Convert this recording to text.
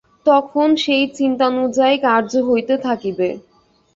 তখন সেই চিন্তানুযায়ী কার্য হইতে থাকিবে।